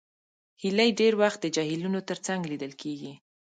هیلۍ ډېر وخت د جهیلونو تر څنګ لیدل کېږي